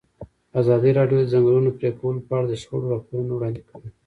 ازادي راډیو د د ځنګلونو پرېکول په اړه د شخړو راپورونه وړاندې کړي.